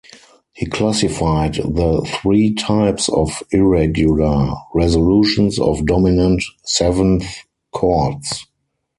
He classified the three types of irregular resolutions of dominant seventh chords.